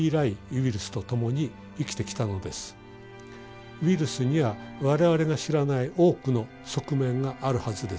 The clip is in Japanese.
ウイルスには我々が知らない多くの側面があるはずです。